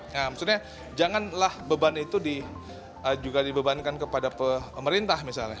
nah maksudnya janganlah beban itu juga dibebankan kepada pemerintah misalnya